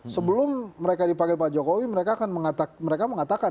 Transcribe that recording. sebelum mereka dipanggil pak jokowi mereka mengatakan